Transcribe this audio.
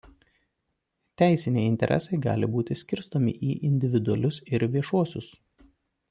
Teisiniai interesai gali būti skirstomi į individualius ir viešuosius.